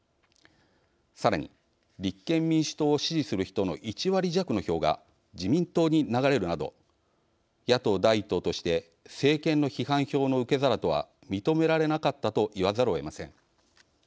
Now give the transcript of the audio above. さらに立憲民主党を支持する人の１割弱の票が自民党に流れるなど野党第１党として政権の批判票の受け皿とは認められなかったと言わざるをえません。